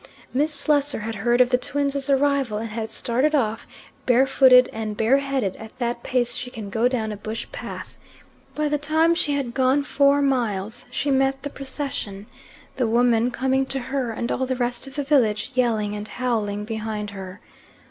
Miss Slessor had heard of the twins' arrival and had started off, barefooted and bareheaded, at that pace she can go down a bush path. By the time she had gone four miles she met the procession, the woman coming to her and all the rest of the village yelling and howling behind her.